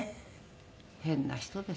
変な人です。